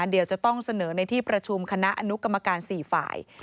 เดี๋ยวจะต้องเสนอในที่ประชุมคณะอนุกรรมการ๔ฝ่าย